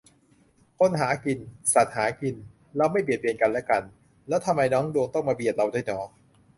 คนหากิน สัตว์หากิน เราไม่เบียดเบียนกันและกัน แล้วทำไมน้องดวงต้องมาเบียดเราด้วยหนอ